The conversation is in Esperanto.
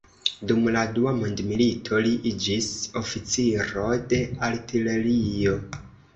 Dum la Dua Mondmilito, li iĝis oficiro de artilerio.